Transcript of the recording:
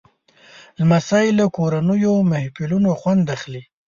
لمسی له کورنیو محفلونو خوند اخلي.